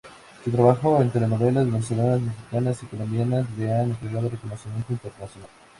Su trabajo en telenovelas venezolanas, mexicanas y colombianas le han otorgado reconocimiento internacional.